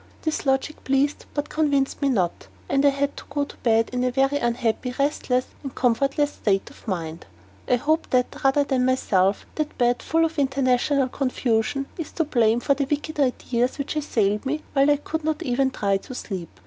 This logic pleased but convinced me not, and I had to go to bed in a very unhappy, restless, and comfortless state of mind. I hope that, rather than myself, that bed, full of international confusion, is to blame for the wicked ideas which assailed me while I could not even try to sleep.